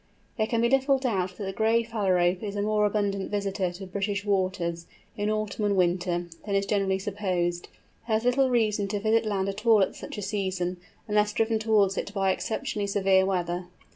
There can be little doubt that the Gray Phalarope is a more abundant visitor to British waters, in autumn and winter, than is generally supposed. It has little reason to visit land at all at such a season, unless driven towards it by exceptionally severe weather.